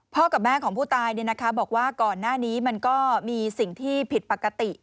กับแม่ของผู้ตายบอกว่าก่อนหน้านี้มันก็มีสิ่งที่ผิดปกติ